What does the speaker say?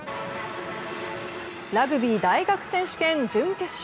ラグビー大学選手権準決勝。